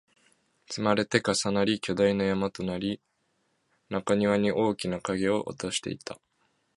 積まれて、重なり、巨大な山となり、中庭に大きな影を落としていた